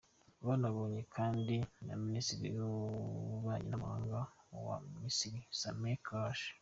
Banabonanye kandi na Minisitiri w’Ububanyi n’amahanga wa Misiri, Sameh Shoukry.